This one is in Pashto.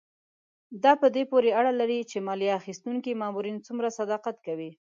دا په دې پورې اړه لري چې مالیه اخیستونکي مامورین څومره صداقت کوي.